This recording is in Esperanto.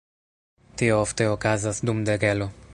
Tio ofte okazas dum degelo.